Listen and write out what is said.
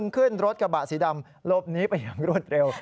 ขึ้นรถกระบะสีดำลบนี้ไปอย่างรวดเร็ว